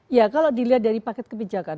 ya kalau dilihat dari paket kebijakan